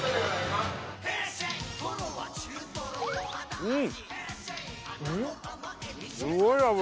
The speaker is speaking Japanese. うん。